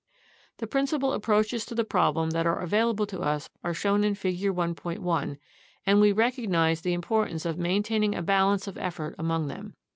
The principal approaches to the problem that are available to us are shown in Figure 1.1, and we recognize the importance of maintaining a balance of effort among them.